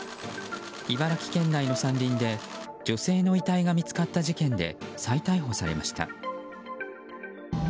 茨城県内の山林で女性の遺体が見つかった事件で再逮捕されました。